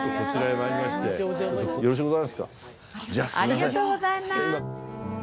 ありがとうございます！